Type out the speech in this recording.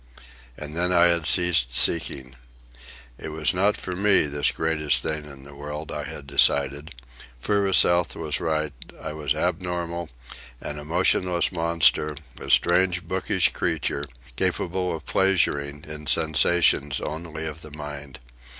And then I had ceased seeking. It was not for me, this greatest thing in the world, I had decided. Furuseth was right; I was abnormal, an "emotionless monster," a strange bookish creature, capable of pleasuring in sensations only of the mind.